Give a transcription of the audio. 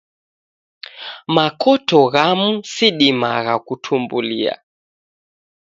Makoto ghamu sidimagha kutumbulia.